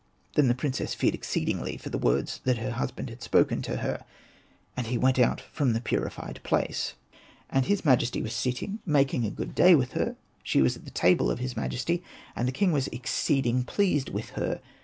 Then the princess feared exceedingly for the words that her husband had spoken to her. And he went out from the purified place. And his majesty was sitting, making a Hosted by Google ANPU AND BATA 6i good day with her : she was at the table of his majesty, and the king was exceeding pleased with her.